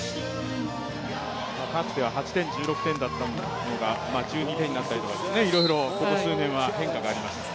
かつては８点、１６点だったのが１２点になったりとかいろいろここ数年は変化がありました。